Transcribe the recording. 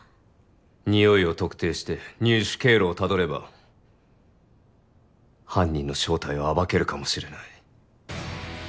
匂いを特定して入手経路をたどれば犯人の正体を暴けるかもしれない。